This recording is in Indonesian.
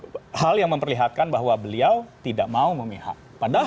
itu adalah salah satu hal yang memperlihatkan bahwa beliau tidak mau memihak